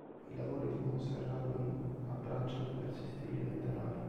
I lavori di Montserrat Roig abbracciano diversi stili letterari.